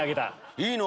いいの？